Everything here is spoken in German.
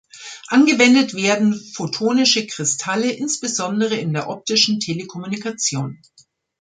Angewendet werden photonische Kristalle insbesondere in der optischen Telekommunikation.